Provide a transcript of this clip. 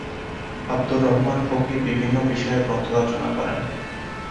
আবদুর রহমান ফকির বিভিন্ন বিষয়ে গ্রন্থ রচনা করেন।